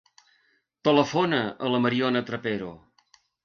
Telefona a la Mariona Trapero.